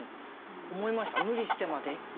無理してまで。